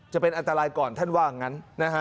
จะเป็นอัตรายก่อนท่านว่าอย่างนั้น